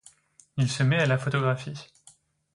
Il se met à la photographie.